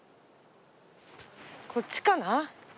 こっちかな？